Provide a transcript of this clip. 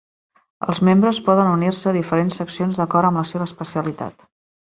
Els membres poden unir-se a diferents seccions d'acord amb la seva especialitat.